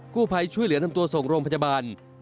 ผู้ภัยช่วยเหลือนำตัวส่งโรงพยาบาล